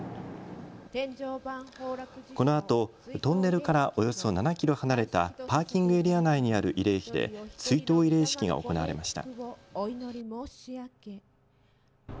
このあとトンネルからおよそ７キロ離れたパーキングエリア内にある慰霊碑で追悼慰霊式が行われました。